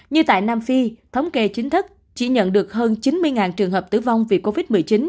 như tại nam phi thống kê chính thức chỉ nhận được hơn chín mươi trường hợp tử vong vì covid một mươi chín